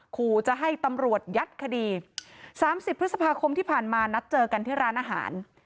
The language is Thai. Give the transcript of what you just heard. ขู่จะให้ตำรวจยัดคดี๓๐พฤษภาคมที่ผ่านมานัดเจอกันที่ร้านอาหาร